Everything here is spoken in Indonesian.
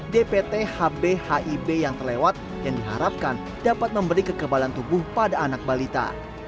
dpthb hib yang terlewat dan diharapkan dapat memberi kekebalan tubuh pada anak balita